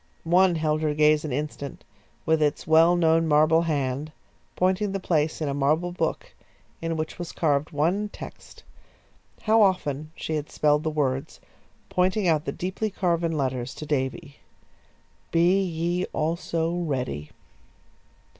One held her gaze an instant, with its well known marble hand, pointing the place in a marble book in which was carved one text. How often she had spelled the words, pointing out the deeply carven letters to Davy: "_Be ye also ready.